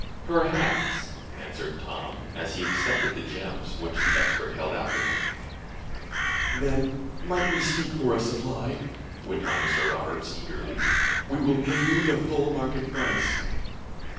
"Perhaps," answered Tom, as he accepted the gems which the expert held out to him. "Then might we speak for a supply?" went on Mr. Roberts, eagerly. "We will pay you the full market price."